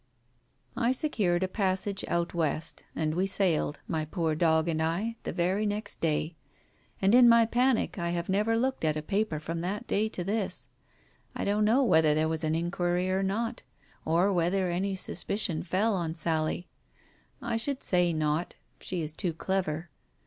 ••••••• I secured a passage out West, and we sailed, my poor dog and I, the very next day. And in my panic I have never looked at a paper from that day to this. I don't know whether there was an inquiry or not, or whether any suspicion fell on Sally ; I should say not, she is too clever.